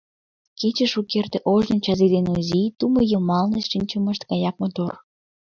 Кече шукерте ожно Чази ден Озий тумо йымалне шинчымышт гаяк мотор!